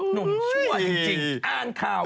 หนุ่มชั่วจริงอ้างค่าวโว้ย